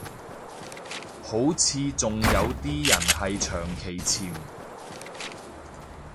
好似仲有啲人係長期潛